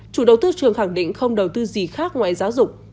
chủ đầu tư trường khẳng định không đầu tư gì khác ngoài giáo dục